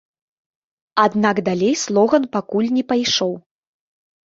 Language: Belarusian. Аднак далей слоган пакуль не пайшоў.